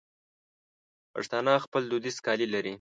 پښتانه خپل دودیز کالي لري.